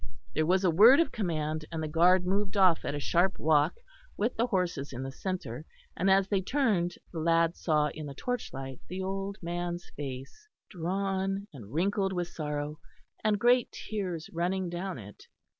There was a word of command; and the guard moved off at a sharp walk, with the horses in the centre, and as they turned, the lad saw in the torchlight the old man's face drawn and wrinkled with sorrow, and great tears running down it.